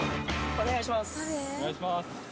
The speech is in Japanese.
お願いします